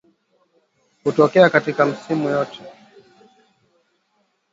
Hutokea katika misimu yote